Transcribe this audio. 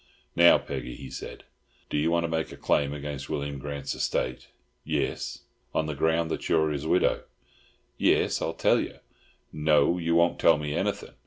"Now, Peggy," he said, "do you want to make a claim against William Grant's estate?" "Yis." "On the ground that you're his widow?" "Yis. I'll tell yer—" "No, you won't tell me anything.